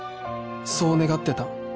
そう願ってた